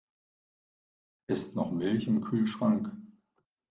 Ist noch Milch im Kühlschrank?